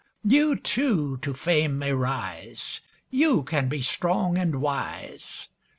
You, too, to fame may rise; You can be strong and wise.